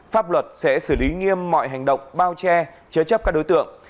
pháp luật sẽ xử lý nghiêm mọi hành động bao che chế chấp các đối tượng